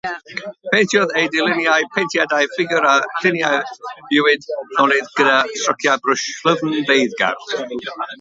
Paentiodd ei dirluniau, paentiadau ffigur a lluniau bywyd llonydd gyda strociau brwsh llyfn, beiddgar.